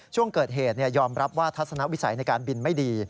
ช่วงเกิดเหตุยอมรับว่าทัศนวิสัยในการบินไม่ดี